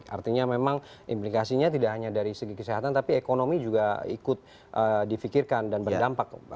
artinya memang implikasinya tidak hanya dari segi kesehatan tapi ekonomi juga ikut difikirkan dan berdampak kepada kasus standik ini